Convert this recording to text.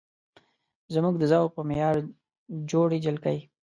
زموږ د ذوق په معیار جوړې جلکۍ